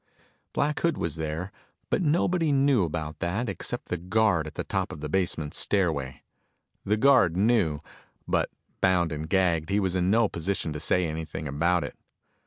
Black Hood was there, but nobody knew about that except the guard at the top of the basement stairway. The guard knew, but bound and gagged he was in no position to say anything about it.